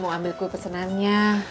mau ambil kue pesenannya